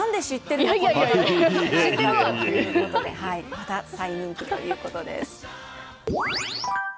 また再人気ということです。